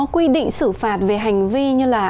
quy định xử phạt về hành vi như là